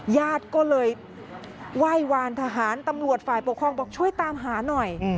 ญาติก็เลยไหว้วานทหารตำรวจฝ่ายปกครองบอกช่วยตามหาหน่อย